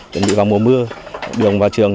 chuẩn bị vào mùa mưa đường vào trường